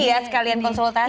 ini ya sekalian konsultasi